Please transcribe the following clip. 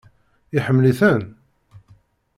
Iḥemmel-iten?